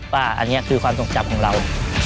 ว่าอันนี้คือความทรงจำของเรา